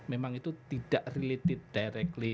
memang itu tidak related directly